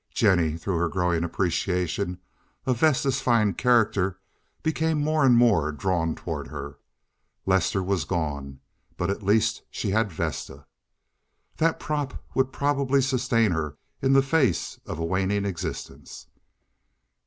Jennie, through her growing appreciation of Vesta's fine character, became more and more drawn toward her. Lester was gone, but at least she had Vesta. That prop would probably sustain her in the face of a waning existence.